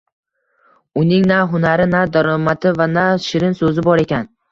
Uning na hunari, na daromadi va na shirin so'zi bor ekan